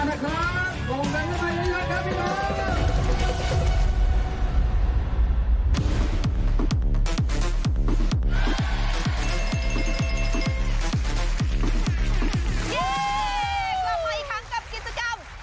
นี่กลับมาอีกครั้งกับกิจกรรม